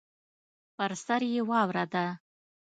پر سر یې واوره ده.